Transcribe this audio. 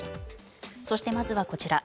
そして、まずはこちら。